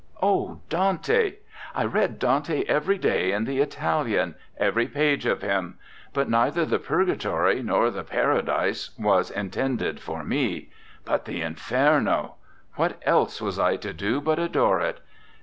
oh, Dante! I read Dante every day in the Italian, every page of him; but neither the Pur gatory nor the Paradise was intended for me. But the Inferno! What else was I to do but adore it?